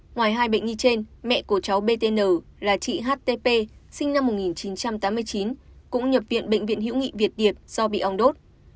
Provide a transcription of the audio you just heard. ngoài hai bệnh nhi trên mẹ của cháu btn là chị htp sinh năm một nghìn chín trăm tám mươi chín cũng nhập viện bệnh viện hữu nghị việt điệp do bị ong đốt